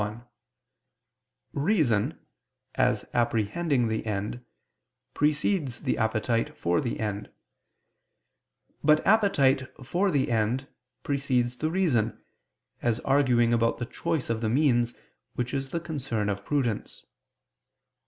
1: Reason, as apprehending the end, precedes the appetite for the end: but appetite for the end precedes the reason, as arguing about the choice of the means, which is the concern of prudence.